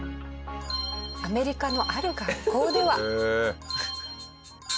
アメリカのある学校では。